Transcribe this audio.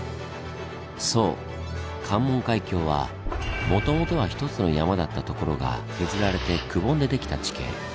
そう関門海峡はもともとは１つの山だった所が削られてくぼんで出来た地形。